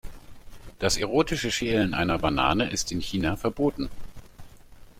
Das erotische Schälen einer Banane ist in China verboten.